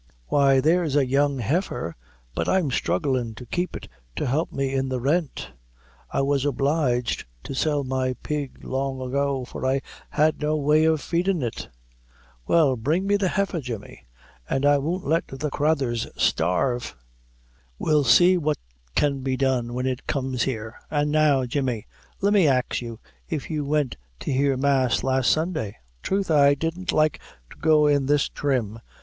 "Why, there's a young heifer; but I'm strugglin' to keep it to help me in the rent. I was obliged to sell my pig long ago, for I had no way of feedin' it." "Well, bring me the heifer, Jemmy, an' I won't let the crathurs starve. We'll see what can be done when it comes here. An' now, Jemmy, let me ax if you wint to hear mass on last Sunday?" "Troth I didn't like to go in this trim.